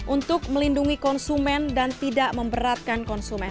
untuk melindungi konsumen dan tidak memberatkan konsumen